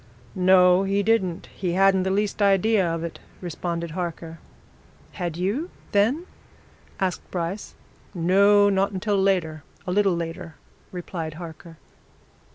"No, he didn't he hadn't the least idea of it," responded Harker. "Had you then?" asked Bryce. "No not until later a little later," replied Harker.